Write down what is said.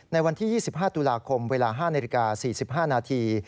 ในวันที่๒๕ตุลาคมเวลา๕นาฬิกา๔๕นาที